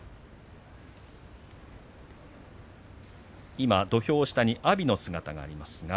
今、土俵下に阿炎の姿があります。